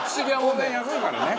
当然安いからね。